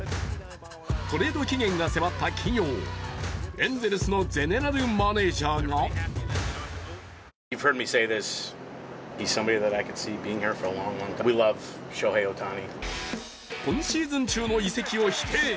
トレード期限が迫った金曜エンゼルスのゼネラルマネージャーが今シーズン中の移籍を否定。